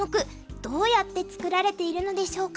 どうやって作られているのでしょうか。